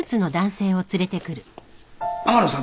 天野さん